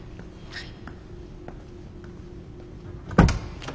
はい。